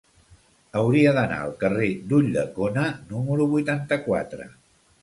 Hauria d'anar al carrer d'Ulldecona número vuitanta-quatre.